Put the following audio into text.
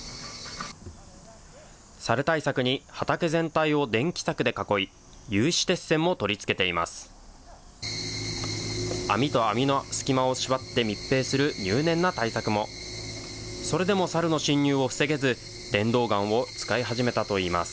サル対策に畑全体を電気柵で囲い、有刺鉄線も取り付けています。